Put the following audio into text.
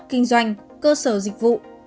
kinh doanh cơ sở dịch vụ